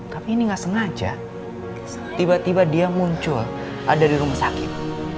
tapi ini nggak sengaja tiba tiba dia muncul ada di rumah sakit